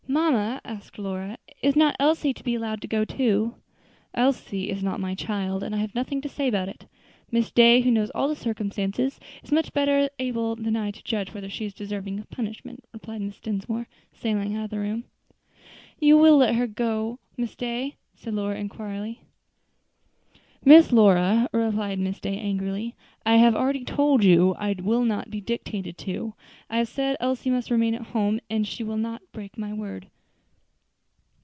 "Mamma," asked Lora, "is not Elsie to be allowed to go too?" "Elsie is not my child, and I have nothing to say about it. Miss Day, who knows all the circumstances, is much better able than I to judge whether or no she is deserving of punishment," replied Mrs. Dinsmore, sailing out of the room. "You will let her go, Miss Day?" said Lora, inquiringly. "Miss Lora," replied Miss Day, angrily, "I have already told you I was not to be dictated to. I have said Elsie must remain at home, and I shall not break my word."